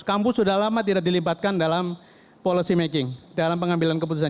kampus sudah lama tidak dilibatkan dalam policy making dalam pengambilan keputusan